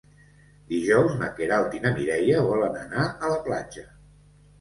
Dijous na Queralt i na Mireia volen anar a la platja.